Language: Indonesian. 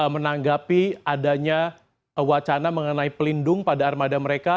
menanggapi adanya wacana mengenai pelindung pada armada mereka